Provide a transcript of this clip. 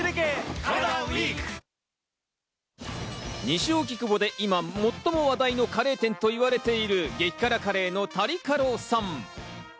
西荻窪で今、最も話題のカレー店と言われている激辛カレーのタリカロさん。